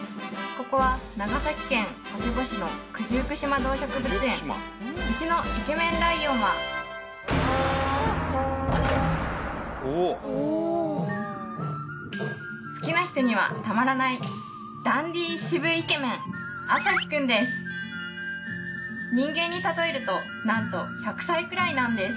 ここは長崎県佐世保市の九十九島動植物園うちのイケメンライオンは人間に例えると何と１００歳くらいなんです